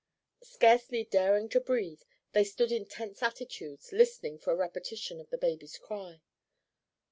Scarcely daring to breathe, they stood in tense attitudes listening for a repetition of the baby's cry.